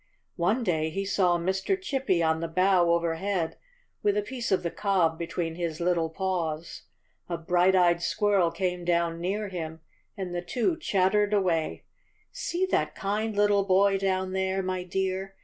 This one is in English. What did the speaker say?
One day he saw Mr. Chippy on the bough overhead with a piece of the cob be tween his little paws. A bright eyed squirrel came down near him, and the two chattered away: — STANLEY AND THE SQUIRRELS. 63 "See that kind little boy down there, my dear.